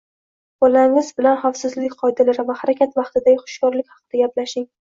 Bolangiz bilan xavfsizlik qoidalari va harakat vaqtidagi xushyorlik haqida gaplashing.